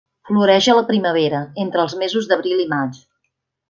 Floreix a la primavera, entre els mesos d'abril i maig.